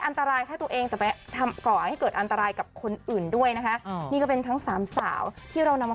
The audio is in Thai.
อันตรายแค่ตัวเองแต่ไปทำก่อให้เกิดอันตรายกับคนอื่นด้วยนะคะนี่ก็เป็นทั้งสามสาวที่เรานำมา